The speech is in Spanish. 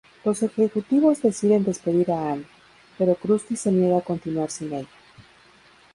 Los ejecutivos deciden despedir a Annie, pero Krusty se niega a continuar sin ella.